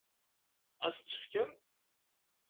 Ad s-tt-fken?